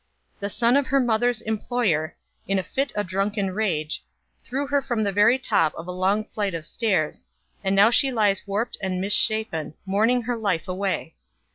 The son of her mother's employer, in a fit of drunken rage, threw her from the very top of a long flight of stairs, and now she lies warped and misshapen, mourning her life away.